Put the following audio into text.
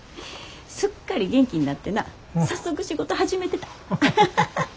すっかり元気になってな早速仕事始めてた。